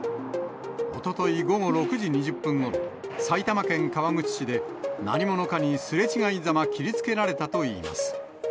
おととい午後６時２０分ごろ、埼玉県川口市で、何者かにすれ違いざま切りつけられたといいます。